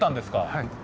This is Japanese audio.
はい。